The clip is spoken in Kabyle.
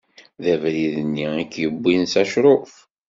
D abrid-nni i k-yewwin s acṛuf?